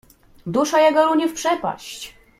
Dusza jego runie w przepaść!